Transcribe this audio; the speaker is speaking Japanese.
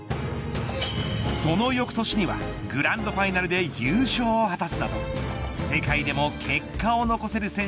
その翌年にはグランドファイナルで優勝を果たすなど世界でも結果を残せる